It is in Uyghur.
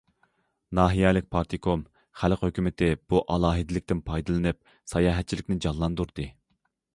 ناھىيەلىك پارتكوم، خەلق ھۆكۈمىتى بۇ ئالاھىدىلىكتىن پايدىلىنىپ، ساياھەتچىلىكنى جانلاندۇردى.